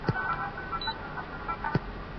لويه جرګه به ملي يووالی پياوړی کړي.